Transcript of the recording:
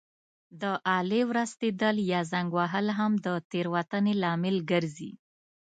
د آلې ورستېدل یا زنګ وهل هم د تېروتنې لامل ګرځي.